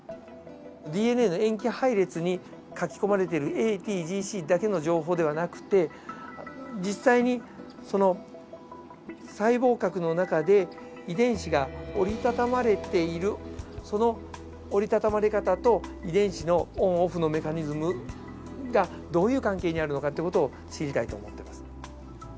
ＤＮＡの塩基配列に書き込まれてるＡＴＧＣだけの情報だけではなくて実際に細胞核の中で遺伝子が折りたたまれているその折りたたまれ方と遺伝子のオンオフのメカニズムがどういう関係にあるのかという事を知りたいと思ってます。